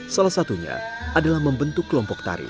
salah satunya adalah membentuk kelompok tari